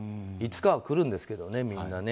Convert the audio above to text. いつかは来るんですけどね。